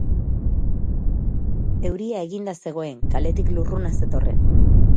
Euria eginda zegoen, kaletik lurruna zetorren.